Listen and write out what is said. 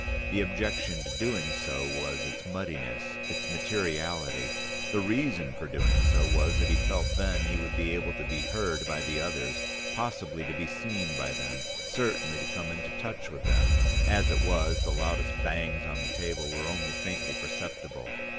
The objection to so doing was its muddiness, its materiality; the reason for so doing was that he felt that then he would be able to be heard by the others, possibly to be seen by them, certainly to come into touch with them. As it was, the loudest bangs on the table were only faintly perceptible.